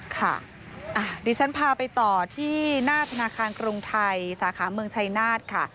ค่ะดิฉันพาไปต่อที่หน้าธนาคารกรุงไทยสาขาเมืองชัยนาธค่ะ